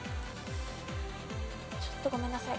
ちょっとごめんなさい。